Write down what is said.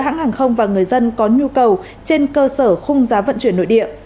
các hãng hàng không và người dân có nhu cầu trên cơ sở khung giá vận chuyển nội địa